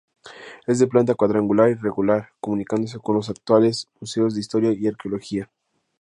Es de planta cuadrangular irregular, comunicándose con los actuales museos de historia y arqueología.